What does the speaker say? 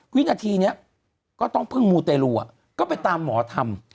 วินาทีนี้ก็ต้องพึ่งมูเตลูก็ไปตามหมอทำ